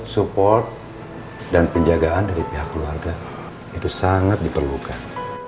support dan penjagaan dari pihak keluarga itu sangat diperlukan